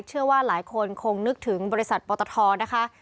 เชื่อว่าหลายคนคงนึกถึงบริษัทปตทนะคะ